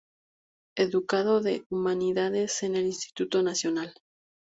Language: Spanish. Educado en Humanidades en el Instituto Nacional.